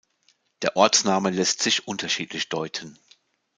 Der Ortsname lässt sich unterschiedlich deuten.